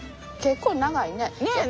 結構長いね。ね。